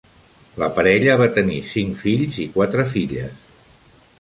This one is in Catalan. La parella va tenir cinc fills i quatre filles.